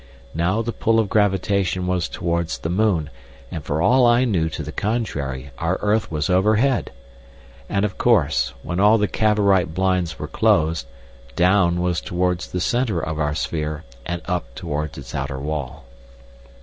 Now the pull of gravitation was towards the moon, and for all I knew to the contrary our earth was overhead. And, of course, when all the Cavorite blinds were closed, "down" was towards the centre of our sphere, and "up" towards its outer wall.